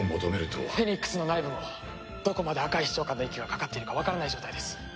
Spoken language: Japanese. フェニックスの内部もどこまで赤石長官の息がかかっているかわからない状態です。